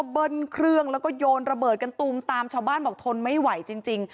เปิดกันตูมตามชาวบ้านบอกทนไม่ไหวจริง